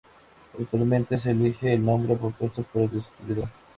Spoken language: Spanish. Habitualmente, se elige el nombre propuesto por el descubridor.